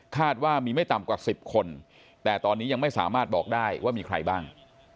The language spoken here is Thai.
ว่ามีไม่ต่ำกว่า๑๐คนแต่ตอนนี้ยังไม่สามารถบอกได้ว่ามีใครบ้าง